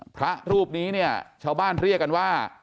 พระรูปดีนี้ชาวบ้านเรียกว่า